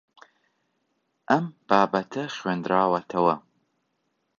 ئەم بابەتە خوێندراوەتەوە.